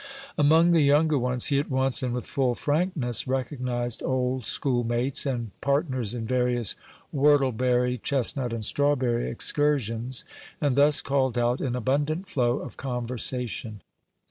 Among the younger ones, he at once, and with full frankness, recognized old schoolmates, and partners in various whortleberry, chestnut, and strawberry excursions, and thus called out an abundant flow of conversation.